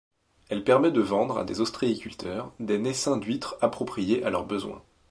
Elle permet de vendre a des ostréiculteurs des naissains d'huîtres appropriés à leurs besoins.